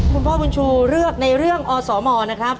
คุณพ่อบุญชูเลือกในเรื่องอสมนะครับ